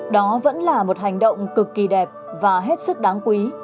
đó vẫn là một hành động cực kỳ đẹp và hết sức đáng quý